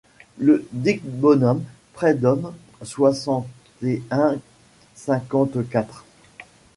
Le dict bonhomme Predhomme soixante et un cinquante-quatre.